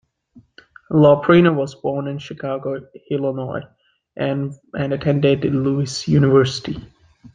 Loprieno was born in Chicago, Illinois and attended Lewis University.